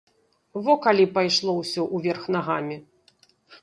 Во калі пайшло ўсё ўверх нагамі!